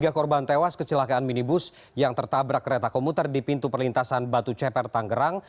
tiga korban tewas kecelakaan minibus yang tertabrak kereta komuter di pintu perlintasan batu ceper tanggerang